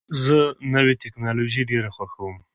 زه نوې ټکنالوژۍ ډېر خوښوم.